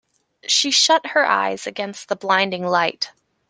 She shut her eyes against the blinding light.